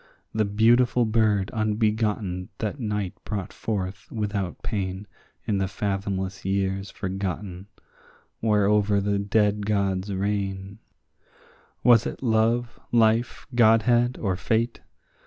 The beautiful bird unbegotten that night brought forth without pain In the fathomless years forgotten whereover the dead gods reign, Was it love, life, godhead, or fate?